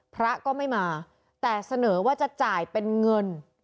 พระก็ไม่มาแต่เสนอว่าจะจ่ายเป็นเงิน